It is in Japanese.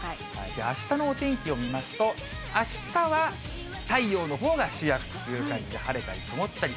あしたのお天気を見ますと、あしたは太陽のほうが主役という感じで、晴れたり曇ったり。